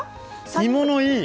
干物いい！